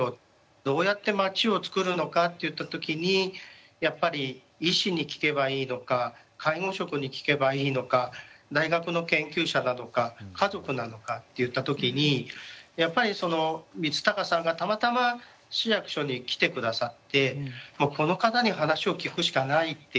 どうやって町をつくるのかっていった時にやっぱり医師に聞けばいいのか介護職に聞けばいいのか大学の研究者なのか家族なのかっていった時にやっぱりその光孝さんがたまたま市役所に来てくださってもうこの方に話を聞くしかないっていう。